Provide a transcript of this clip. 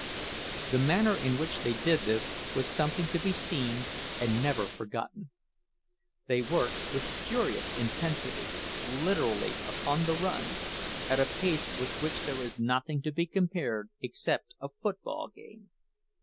The manner in which they did this was something to be seen and never forgotten. They worked with furious intensity, literally upon the run—at a pace with which there is nothing to be compared except a football game.